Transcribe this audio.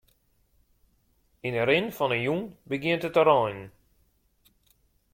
Yn 'e rin fan 'e jûn begjint it te reinen.